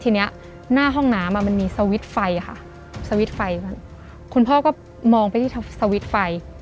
ทีนี้หน้าห้องน้ำมันมีสวิตช์ไฟค่ะสวิตช์ไฟคุณพ่อก็มองไปที่สวิตช์ไฟ